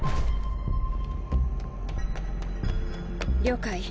了解。